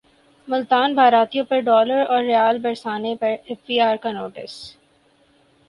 ملتان باراتیوں پرڈالراورریال برسانے پرایف بی رکانوٹس